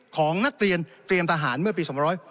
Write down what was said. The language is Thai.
ของนักเรียนเตรียมทหารเมื่อปี๒๕๖๒